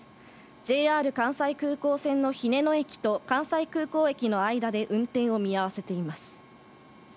ＪＲ関西空港線の日根野駅と関西空港駅の間で運転を見合わせています。